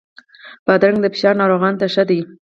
بادرنګ د فشار ناروغانو ته ښه دی.